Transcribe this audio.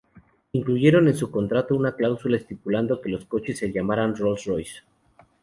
Incluyeron en su contrato una cláusula estipulando que los coches se llamarían "Rolls-Royce".